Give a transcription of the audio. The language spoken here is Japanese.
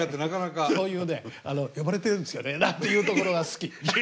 そういうね「呼ばれてるんですよね？」なんていうところが好き。